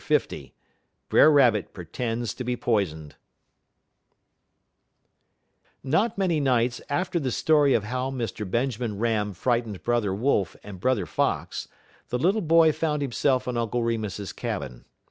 L BRER RABBIT PRETENDS TO BE POISONED Not many nights after the story of how Mr. Benjamin Ram frightened Brother Wolf and Brother Fox, the little boy found himself in Uncle Remus's cabin.